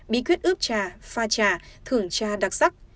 bí quyết ướp trà pha trà thưởng trà đặc sắc